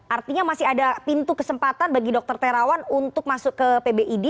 artinya masih ada pintu kesempatan bagi dokter terawan untuk masuk ke pbid